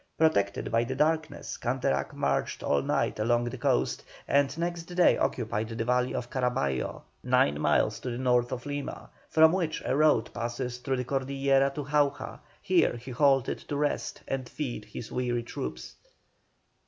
Protected by the darkness, Canterac marched all night along the coast, and next day occupied the valley of Carabaillo, nine miles to the north of Lima, from which a road passes through the Cordillera to Jauja. Here he halted to rest and feed his weary troops.